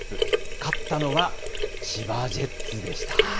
勝ったのは千葉ジェッツでした。